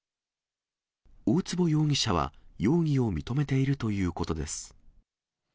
大坪容疑者は容疑を認めているということです。